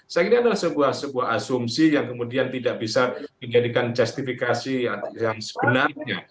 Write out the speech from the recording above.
saya kira adalah sebuah asumsi yang kemudian tidak bisa dijadikan justifikasi yang sebenarnya